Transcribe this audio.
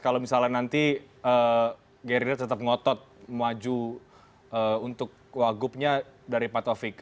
kalau misalnya nanti gerrita tetap ngotot mewaju untuk wagupnya dari pak tovik